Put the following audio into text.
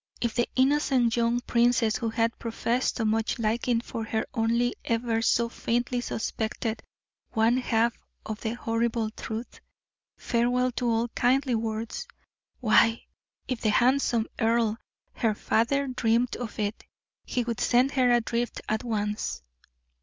If the innocent young princess who had professed so much liking for her only ever so faintly suspected one half of the horrible truth, farewell to all kindly words! Why, if the handsome earl, her father, dreamed of it, he would send her adrift at once!